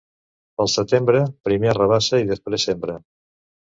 Pel setembre, primer arrabassa i després sembra.